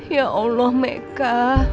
ya allah meka